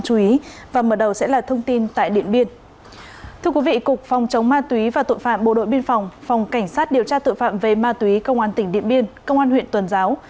thưa quý vị cục phòng chống ma túy và tội phạm bộ đội biên phòng phòng cảnh sát điều tra tội phạm về ma túy công an tỉnh điện biên công an huyện tuần giáo